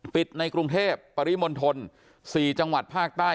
ในกรุงเทพปริมณฑล๔จังหวัดภาคใต้